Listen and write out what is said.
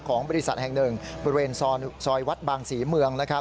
ของบริษัทแห่งหนึ่งบริเวณซอยวัดบางศรีเมืองนะครับ